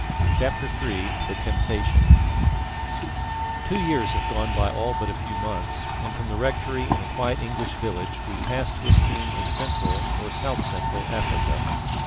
CHAPTER III THE TEMPTATION Two years have gone by all but a few months, and from the rectory in a quiet English village we pass to a scene in Central, or South Central, Africa.